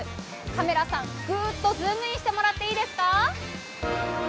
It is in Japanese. カメラさん、ぐーっとズームインしてもらっていいですか？